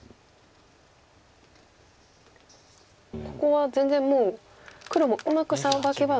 ここは全然もう黒もうまくサバけば